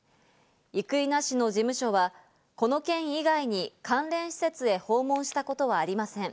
生稲氏の事務所はこの件以外に関連施設へ訪問したことはありません。